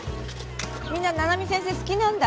みんな七海先生好きなんだ。